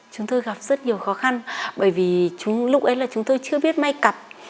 chúng tôi gặp rất nhiều khó khăn bởi vì lúc ấy là chúng tôi chưa biết may cặp